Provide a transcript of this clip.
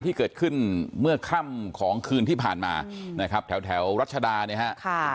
ที่เกิดขึ้นเมื่อค่ำของคืนที่ผ่านมานะครับแถวรัชดาเนี่ยฮะ